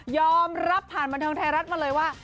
ยอมรับผ่านบรรทางไทยรัฐมาเลยว่า